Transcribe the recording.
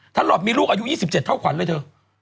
หลอดมีลูกอายุ๒๗เท่าขวัญเลยเถอะ